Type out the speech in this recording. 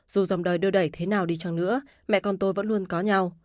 dù dòng đời đưa đẩy thế nào đi chăng nữa mẹ con tôi vẫn luôn có nhau